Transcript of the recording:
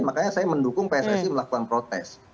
makanya saya mendukung pssi melakukan protes